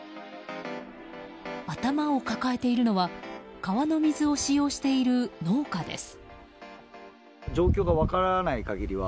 頭を抱えているのは川の水を使用している農家です。